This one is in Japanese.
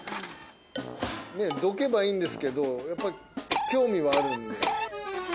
どけばいいんですけどやっぱり興味はあるんで。